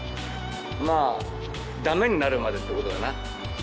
まぁダメになるまでってことだな